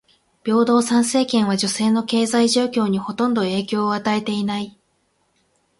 平等参政権は女性の経済状況にほとんど影響を与えていない。